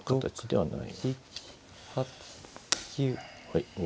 はい。